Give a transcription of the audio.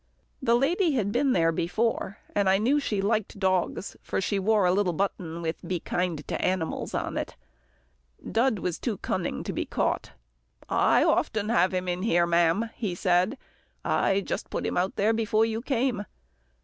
The lady had been there before, and I knew she liked dogs, for she wore a little button with "Be Kind to Animals" on it. Dud was too cunning to be caught. "I often have him in here, ma'am," he said. "I just put him out there before you came."